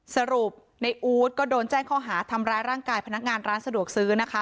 สรุปในอู๊ดก็โดนแจ้งข้อหาทำร้ายร่างกายพนักงานร้านสะดวกซื้อนะคะ